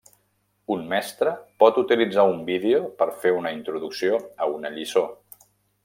Un mestre pot utilitzar un vídeo per fer una introducció a una lliçó.